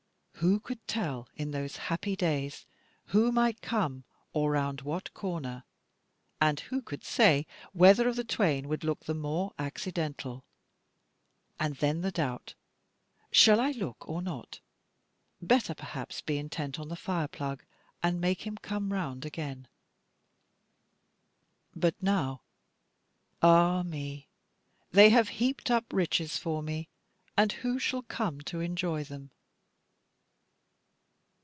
Who could tell, in those happy days, who might come, or round what corner, and who could say whether of the twain would look the more accidental? And then the doubt shall I look or not, better perhaps be intent on the fire plug, and make him come round again? But now. Ah me, they have heaped up riches for me, and who shall come to enjoy them?